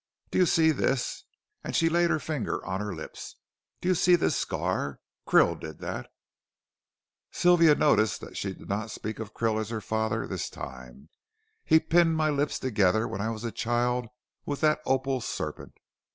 Do you see this," and she laid her finger on her lips; "do you see this scar? Krill did that." Sylvia noticed that she did not speak of Krill as her father this time; "he pinned my lips together when I was a child with that opal serpent."